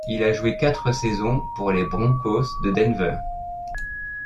Il a joué quatre saisons pour les Broncos de Denver.